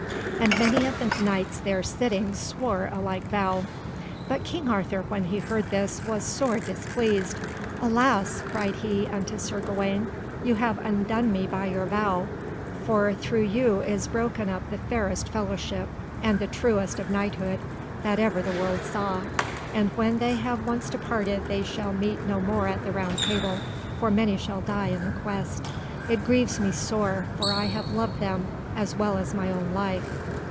And many of the Knights there sitting swore a like vow. But King Arthur, when he heard this, was sore displeased. "Alas!" cried he unto Sir Gawaine, "you have undone me by your vow. For through you is broken up the fairest fellowship, and the truest of knighthood, that ever the world saw, and when they have once departed they shall meet no more at the Table Round, for many shall die in the quest. It grieves me sore, for I have loved them as well as my own life."